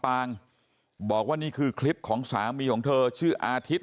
พวกมันกลับมาเมื่อเวลาที่สุดพวกมันกลับมาเมื่อเวลาที่สุด